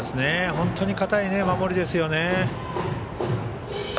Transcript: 本当に堅い守りですよね。